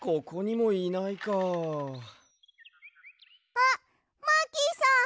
あっマーキーさん！